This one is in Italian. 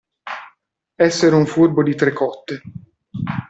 Essere un furbo di tre cotte.